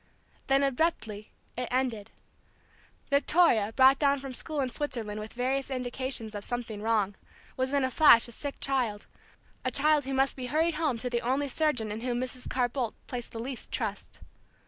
Then abruptly it ended. Victoria, brought down from school in Switzerland with various indications of something wrong, was in a flash a sick child; a child who must be hurried home to the only surgeon in whom Mrs. Carr Boldt placed the least trust.